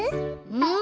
うん。